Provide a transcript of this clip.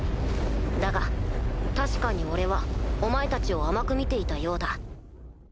だが確かに俺はお前たちを甘く見ていたようだ。